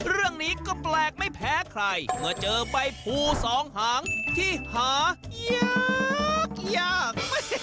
เรื่องนี้ก็แปลกไม่แพ้ใครเมื่อเจอใบภูสองหางที่หายากยาก